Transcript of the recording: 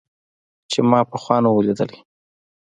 چې ما پخوا نه و ليدلى.